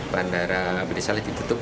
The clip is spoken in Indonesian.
bandara abdurrahman saleh ditutup